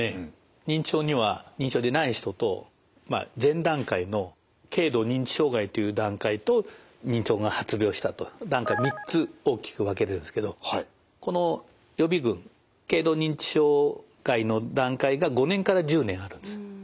認知症には認知症でない人と前段階の軽度認知障害という段階と認知症が発病したと段階３つ大きく分けれるんですけどこの予備群軽度認知障害の段階が５年から１０年あるんです。